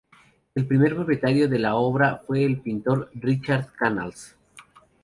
El primer propietario de la obra fue el pintor Ricard Canals.